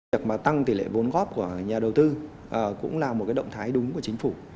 việc mà tăng tỷ lệ vốn góp của nhà đầu tư cũng là một động thái đúng của chính phủ